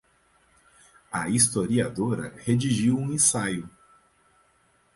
A historiadora redigiu um ensaio